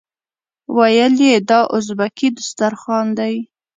ویل یې دا ازبکي دسترخوان دی.